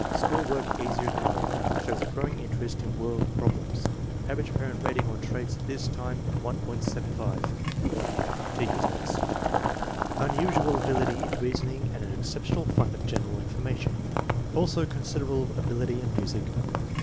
School work easier than ever. Shows a growing interest in world problems. Average parent rating on traits at this time, 1.75. Teacher's notes. Unusual ability in reasoning and an exceptional fund of general information. Also considerable ability in music.